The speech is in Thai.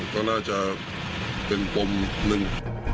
ก็น่าจะเป็นปมหนึ่ง